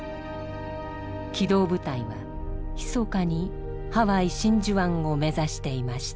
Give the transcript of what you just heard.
機動部隊はひそかにハワイ・真珠湾を目指していました。